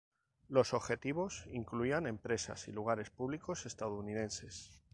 Los objetivos incluían empresas y lugares públicos estadounidenses.